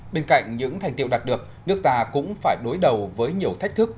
bên cạnh những thành tiệu đạt được nước ta cũng phải đối đầu với nhiều thách thức